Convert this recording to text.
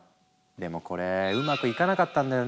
でもこれうまくいかなかったんだよね。